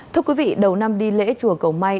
thưa quý vị đầu năm đi lễ chùa cầu may